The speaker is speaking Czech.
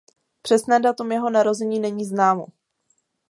Přesné datum jeho narození není známo.